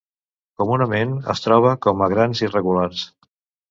Comunament es troba com a grans irregulars.